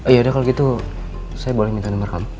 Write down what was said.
yaudah kalau gitu saya boleh minta nomer kamu